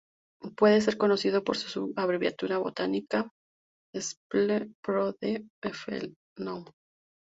Puede ser conocido por su abreviatura botánica Suppl.Prodr.Fl.Nov.Holl.